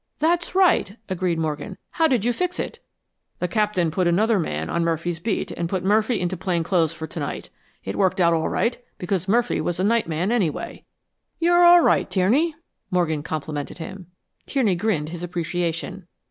"That's right," agreed Morgan. "How did you fix it?" "The Captain put another man on Murphy's beat, and put Murphy into plain clothes for tonight. It worked all right, because Murphy was a night man anyway." "You're all right, Tierney," Morgan complimented him. Tierney grinned his appreciation.